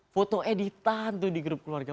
foto editan tuh di grup keluarga